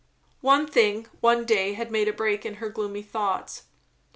One thing, one day, had made a break in her gloomy thoughts.